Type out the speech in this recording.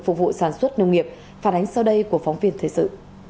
phục vụ sản xuất nông nghiệp phản ánh sau đây của phóng viên thời sự